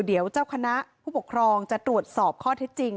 เดี๋ยวเจ้าคณะผู้ปกครองจะตรวจสอบข้อเท็จจริง